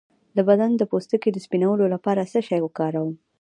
د بدن د پوستکي د سپینولو لپاره څه شی وکاروم؟